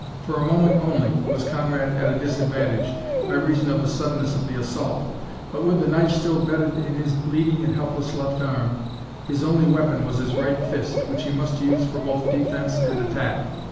For a moment only was Conrad at a disadvantage by reason of the suddenness of the assault. But with the knife still bedded in his bleeding and helpless left arm, his only weapon was his right fist, which he must use for both defence and attack.